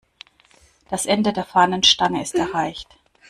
Das Ende der Fahnenstange ist erreicht.